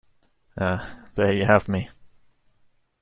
Ah, there you have me.